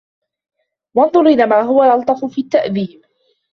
وَانْظُرْ إلَى مَا هُوَ أَلْطَفُ فِي التَّأْدِيبِ